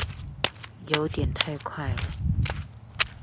有點太快了